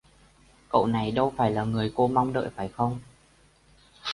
Cậu này đâu phải là người cô mong đợi phải không